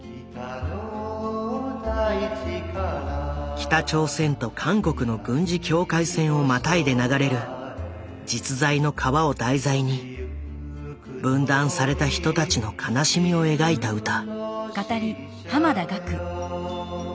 北朝鮮と韓国の軍事境界線をまたいで流れる実在の川を題材に分断された人たちの悲しみを描いた歌。